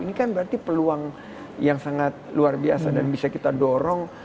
ini kan berarti peluang yang sangat luar biasa dan bisa kita dorong